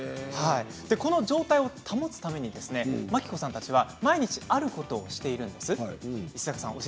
この状態を保つために真希子さんたちは毎日あることをしているんです。